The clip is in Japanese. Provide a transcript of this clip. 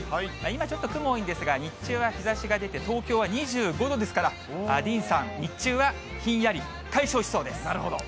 今、ちょっと雲多いんですが、日中は日ざしが出て、東京は２５度ですから、ディーンさん、日中はひんやり、なるほど。